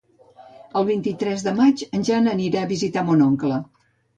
El vint-i-tres de maig en Jan anirà a visitar mon oncle.